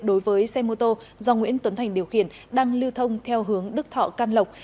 đối với xe mô tô do nguyễn tuấn thành điều khiển đang lưu thông theo hướng đức thọ can lộc